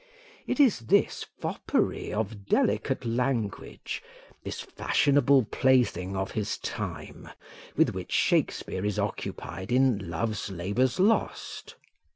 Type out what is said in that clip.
It is this foppery of delicate language, this fashionable plaything of his time, with which Shakespeare is occupied in Love's Labours Lost.